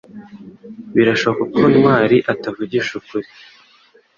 Birashoboka ko Ntwali atavugisha ukuri